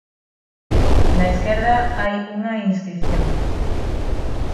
Na esquerda hai unha inscrición.